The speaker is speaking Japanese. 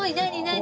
何？